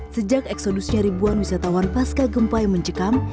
sejak eksodusnya ribuan wisatawan pasca gempa yang mencekam